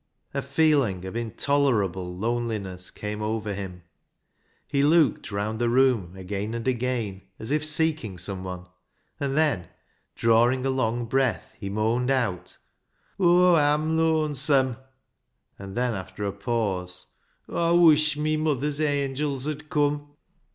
A feeling of intolerable loneliness came 274 BECKSIDE LIGHTS over him. He looked round the room again and again as if seeking someone, and then, drawing a long breath, he moaned out, " Aw am looansome "; and then, after a pause, " Aw wuish mi muther's angels 'ud come."